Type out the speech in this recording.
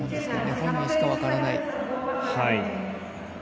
本人しか分からない。